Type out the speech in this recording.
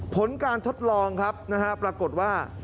ผลการทดลองครับนะฮะปรากฏว่า